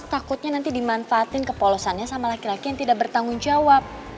takutnya nanti dimanfaatin kepolosannya sama laki laki yang tidak bertanggung jawab